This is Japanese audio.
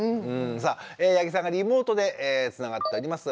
さあ八木さんがリモートでつながっております。